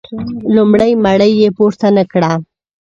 لومړۍ مړۍ یې پورته نه کړه.